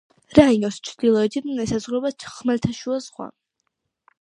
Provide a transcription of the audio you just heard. რაიონს ჩრდილოეთიდან ესაზღვრება ხმელთაშუა ზღვა.